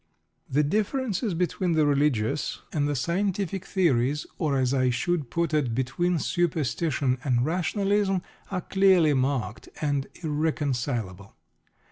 The differences between the religious and the scientific theories, or, as I should put it, between superstition and rationalism, are clearly marked and irreconcilable.